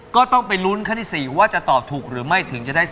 ก็ต้องไปลุ้นขั้นที่๔ว่าจะตอบถูกหรือไม่ถึงจะได้